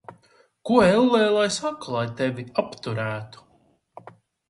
Ko, ellē, lai saku, lai tevi apturētu?